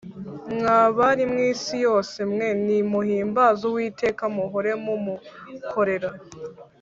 mwa bari mw isi yose mwe ni muhimbaze uwiteka muhore mumukorera